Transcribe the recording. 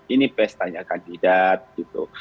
ini pestanya kandidat gitu